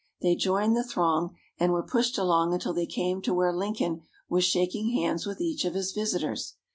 They joined the throng, and were pushed along until they came to where Lincoln was shaking hands with each of his visitors.